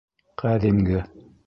Ҡәҙимге...